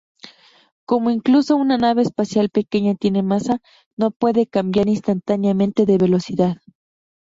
Como incluso una nave espacial pequeña tiene masa, no puede cambiar instantáneamente de velocidad.